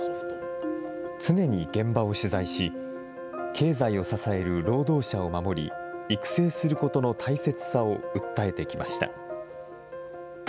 常に現場を取材し、経済を支える労働者を守り、育成することの大切さを訴えてきました。